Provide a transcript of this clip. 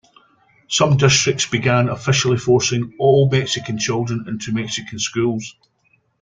Some districts began officially forcing all Mexican children into Mexican Schools.